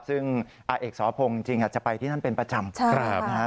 ซึ่งอาเอกสพงศ์จริงอาจจะไปที่นั่นเป็นประจำ